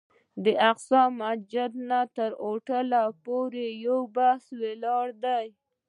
له اقصی جومات نه تر هوټل پورې چې بسونه ولاړ دي.